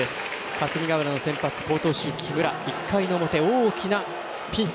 霞ヶ浦の先発好投手、木村１回の表大きなピンチ。